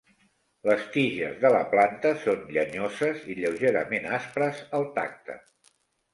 Les tiges de la planta són llenyoses i lleugerament aspres al tacte.